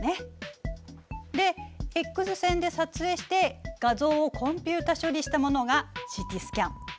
でＸ線で撮影して画像をコンピュータ処理したものがＣＴスキャン。